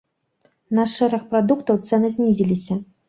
На шэраг прадуктаў цэны знізіліся.